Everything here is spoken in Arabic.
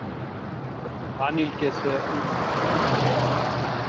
عَنْ الْكِسَائِيّ